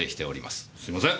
すいません。